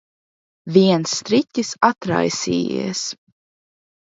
Viens striķis atraisījies.